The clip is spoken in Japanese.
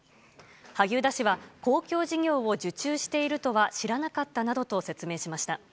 萩生田氏は、公共事業を受注しているとは知らなかったなどと説明しました。